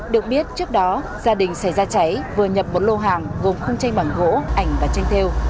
được biết trước đó gia đình xảy ra cháy vừa nhập một lô hàng gồm khung tranh bằng gỗ ảnh và tranh theo